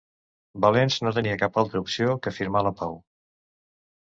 Valens no tenia cap altra opció que firmar la pau.